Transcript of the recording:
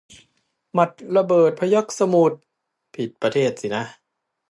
หมัดระเบิดพยัคฆ์สมุทร ผิดประเทศสินะ